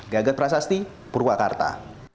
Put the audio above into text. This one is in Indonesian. gagat prasasti purwakarta